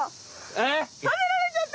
えっ？